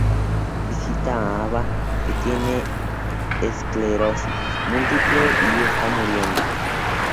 Visita a Ava, que tiene esclerosis múltiple y está muriendo.